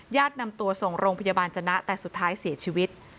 นำตัวส่งโรงพยาบาลจนะแต่สุดท้ายเสียชีวิต